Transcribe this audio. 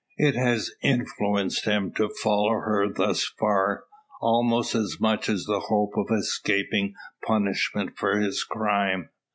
It has influenced him to follow her thus far, almost as much as the hope of escaping punishment for his crime.